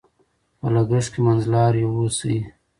په لګښت کې منځلاري اوسئ.